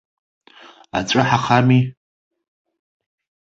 Аҵәы ҳахами.